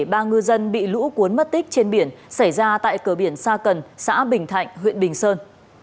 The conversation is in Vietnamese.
ba ngư dân bị lũ cuốn mất tích trên biển xảy ra tại cửa biển sa cần xã bình thạnh huyện bình sơn